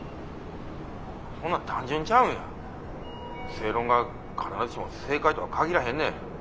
正論が必ずしも正解とは限らへんねん。